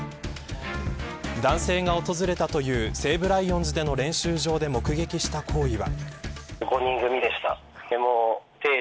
男性が訪れたという西武ライオンズの練習場で目撃した行為は。